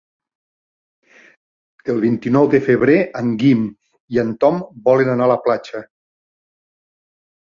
El vint-i-nou de febrer en Guim i en Tom volen anar a la platja.